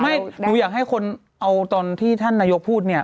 หนูอยากให้คนเอาตอนที่ท่านนายกพูดเนี่ย